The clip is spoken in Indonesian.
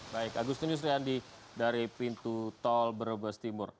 baik agustin yusriandi dari pintu tol brebes timur